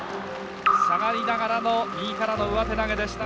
下がりながらの右からの上手投げでした。